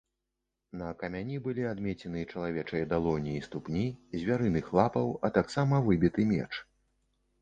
На камяні былі адмеціны чалавечай далоні і ступні, звярыных лапаў, а таксама выбіты меч.